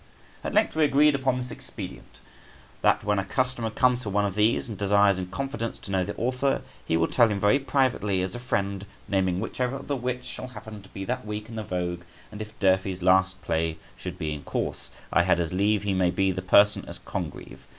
At length we agreed upon this expedient, that when a customer comes for one of these, and desires in confidence to know the author, he will tell him very privately as a friend, naming whichever of the wits shall happen to be that week in the vogue, and if Durfey's last play should be in course, I had as lieve he may be the person as Congreve.